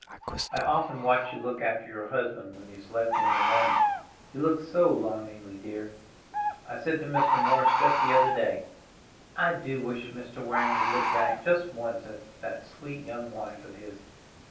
I often watch you look after your husband when he has left you in the morning; you look so longingly, dear. I said to Mr. Morris just the other day, 'I do wish Mr. Waring would look back just once at that sweet young wife of his.